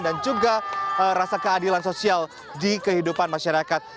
dan juga rasa keadilan sosial di kehidupan masyarakat